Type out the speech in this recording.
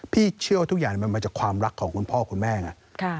พี่เชื่อว่าทุกอย่างมันมาจากความรักของคุณพ่อคุณแม่ไง